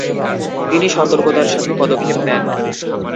তিনি সতর্কতার সাথে পদক্ষেপ নেন।